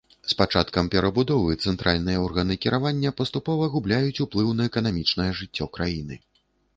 З пачаткам перабудовы цэнтральныя органы кіравання паступова губляюць уплыў на эканамічнае жыццё краіны.